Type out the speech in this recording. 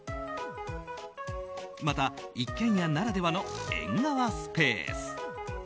また、一軒家ならではの縁側スペース。